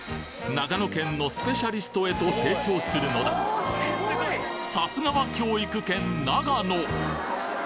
長野県のスペシャリストへと成長するのださすがは教育県長野！